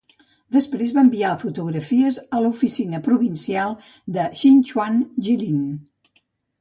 Després va enviar fotografies a l"oficina provincial de Xinhua's Jilin.